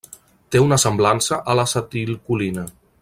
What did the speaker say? Té una semblança a l'acetilcolina.